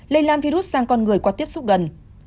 lây lan virus sang con người qua tiếp xúc gần